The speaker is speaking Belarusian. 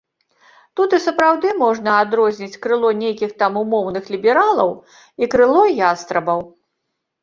Тут і сапраўды можна адрозніць крыло нейкіх там умоўных лібералаў і крыло ястрабаў.